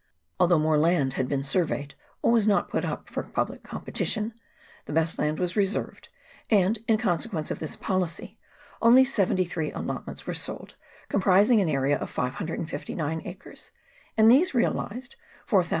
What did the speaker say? Although more land had been surveyed, all was not put up for public competition; the best land was reserved, and, in consequence of this policy, only seventy three allot ments were sold, comprising an area of 559 acres, and these realized 4S58